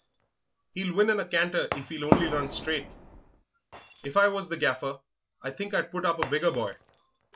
"He'll win in a canter if he'll only run straight. If I was the Gaffer I think I'd put up a bigger boy.